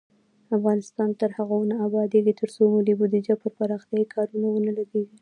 افغانستان تر هغو نه ابادیږي، ترڅو ملي بودیجه پر پراختیايي کارونو ونه لګیږي.